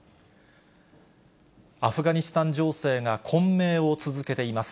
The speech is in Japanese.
アフガニスタン情勢が混迷を続けています。